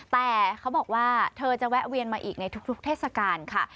แต่เขาบอกว่าเธอจะแวะเวียนมาอีกในทุกเทศกาลค่ะ